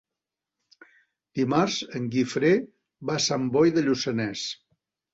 Dimarts en Guifré va a Sant Boi de Lluçanès.